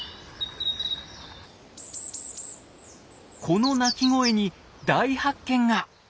この鳴き声に大発見が！